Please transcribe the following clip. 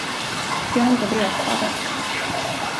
Jag hämtar brödkaveln.